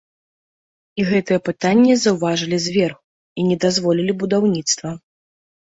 І гэтае пытанне заўважылі зверху і не дазволілі будаўніцтва.